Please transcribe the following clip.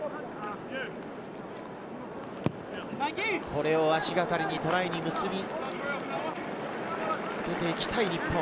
これを足がかりにトライに結び付けて行きたい日本。